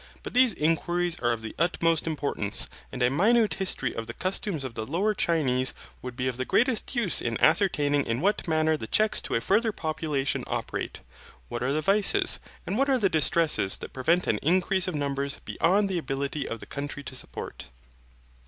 But these inquiries are of the utmost importance, and a minute history of the customs of the lower Chinese would be of the greatest use in ascertaining in what manner the checks to a further population operate; what are the vices, and what are the distresses that prevent an increase of numbers beyond the ability of the country to support.